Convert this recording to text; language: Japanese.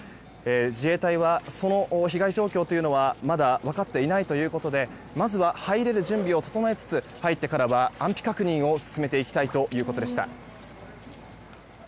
自衛隊はその被害状況はまだ分かっていないということでまずは入れる準備を整えつつ入ってからは安否確認を進めていきたいということでした。